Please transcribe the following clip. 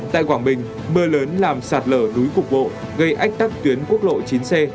tại quảng bình mưa lớn làm sạt lở núi cục bộ gây ách tắc tuyến quốc lộ chín c